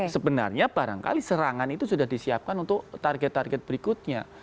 sebenarnya barangkali serangan itu sudah disiapkan untuk target target berikutnya